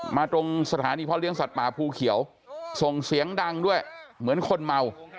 ตรงสถานีพ่อเลี้ยสัตว์ป่าภูเขียวส่งเสียงดังด้วยเหมือนคนเมา